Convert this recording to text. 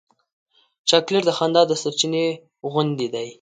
چاکلېټ د خندا د سرچېنې غوندې دی.